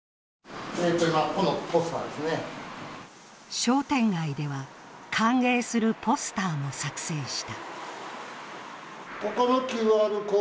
商店街では、歓迎するポスターも作成した。